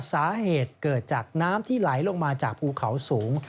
สาเหตุเกิดจากน้ำที่ไหลลงมาจากภูเขาสูง